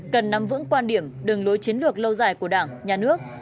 cần nắm vững quan điểm đường lối chiến lược lâu dài của đảng nhà nước